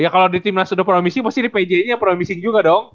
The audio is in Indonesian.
iya kalau di timnas udah promising pasti di pj nya promising juga dong